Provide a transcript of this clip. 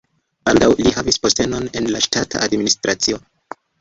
Baldaŭ li havis postenon en la ŝtata administracio.